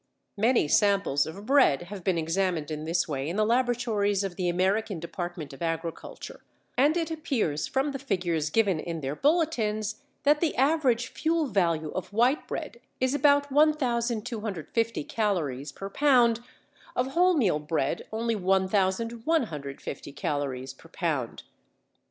Many samples of bread have been examined in this way in the laboratories of the American Department of Agriculture, and it appears from the figures given in their bulletins that the average fuel value of white bread is about 1·250 calories per pound, of wholemeal bread only 1·150 calories per pound.